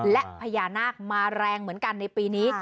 และพญานาคมาแรงเหมือนกันในปีนี้